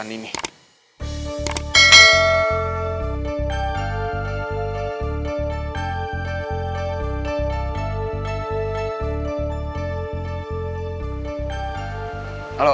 sampai jumpa lagi